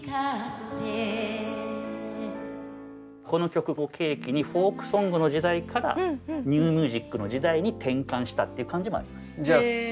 この曲を契機にフォークソングの時代からニューミュージックの時代に転換したっていう感じもあります。